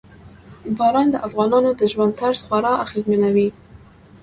باران د افغانانو د ژوند طرز خورا اغېزمنوي.